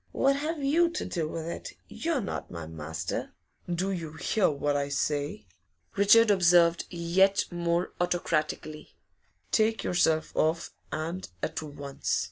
'What have you to do with it? You're not my master.' 'Do you hear what I say?' Richard observed, yet more autocratically. 'Take yourself off, and at once!